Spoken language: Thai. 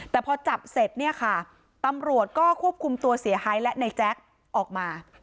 แต่พอจับเสร็จเนี่ยค่ะตำรวจก็ควบคุมตัวเสียหายและในแจ๊คออกมา